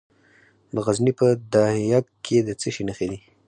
د غزني په ده یک کې د څه شي نښې دي؟